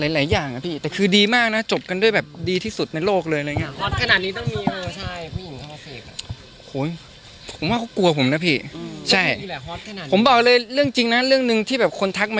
เห็นคนที่เลิกกันตอนนั้นว่าอะไรหรือเปล่า